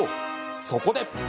そこで！